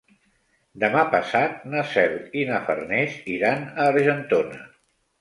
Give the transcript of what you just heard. Demà passat na Cel i na Farners iran a Argentona.